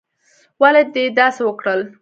ولې دې داسې وکړل؟